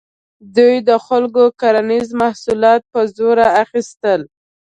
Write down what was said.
دوی د خلکو کرنیز محصولات په زور اخیستل.